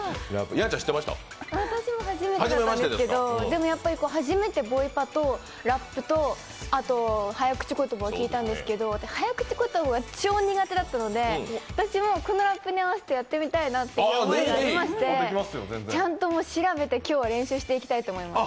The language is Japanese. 私も初めて聞いたんですけど初めてボイパとラップと早口言葉って聞いたんですけど早口言葉が超苦手だったので、私もこのラップに合わせてやってみたいなっていう思いがありましてちゃんと調べて今日は練習していきたいと思います。